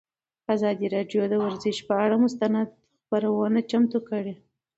ازادي راډیو د ورزش پر اړه مستند خپرونه چمتو کړې.